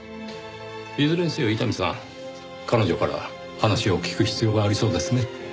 いずれにせよ伊丹さん彼女から話を聞く必要がありそうですね。